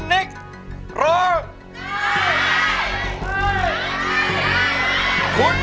เพื่อร้องได้ให้ร้าง